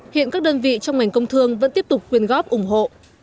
hiện các đơn vị trong ngành công thương vẫn tiếp tục quyên góp ủng hộ